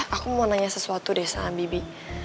aku mau nanya sesuatu deh sama bibi